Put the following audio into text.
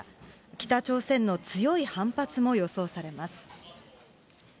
北朝鮮の強い反発も予想されます。